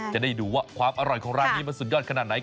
จะได้ดูว่าความอร่อยของร้านนี้มันสุดยอดขนาดไหน